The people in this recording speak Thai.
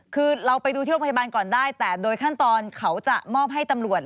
คือเราไปดูที่โรงพยาบาลก่อนได้แต่โดยขั้นตอนเขาจะมอบให้ตำรวจ